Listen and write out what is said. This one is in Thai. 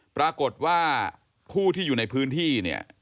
ปรากฏว่าผู้ที่อยู่ในพื้นที่เนี่ย